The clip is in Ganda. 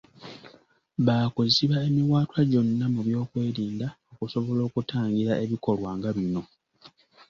Baakuziba emiwaatwa gyonna mu byokwerinda, okusobola okutangira ebikolwa nga bino.